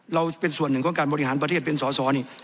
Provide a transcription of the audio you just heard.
เราเป็นส่วนหนึ่งของการบริหารประเทศเป็นสอสอนี่